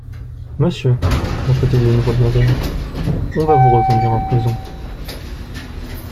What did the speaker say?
Monsieur, reprit-il d'une voix bienveillante, on va vous reconduire en prison.